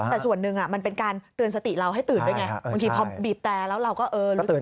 แต่ส่วนหนึ่งมันเป็นการเตือนสติเราให้ตื่นด้วยไงบางทีพอบีบแต่แล้วเราก็เออรู้สึก